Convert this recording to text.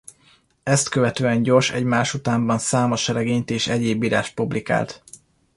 Ezt követően gyors egymásutánban számos regényt és egyéb írást publikált.